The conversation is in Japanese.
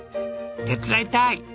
「手伝いたい！」。